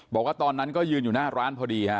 บอกว่าตอนนั้นก็ยืนอยู่หน้าร้านพอดีฮะ